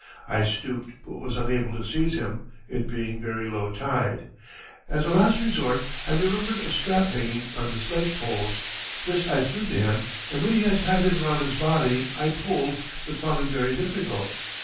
I stooped, but was unable to seize him, it being very low tide. As a last resort I remembered a strap hanging on the sledge poles; this I threw to him, and when he had tied it around his body I pulled, but found it very difficult.